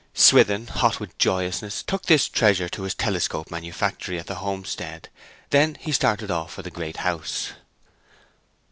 Swithin, hot with joyousness, took this treasure to his telescope manufactory at the homestead; then he started off for the Great House.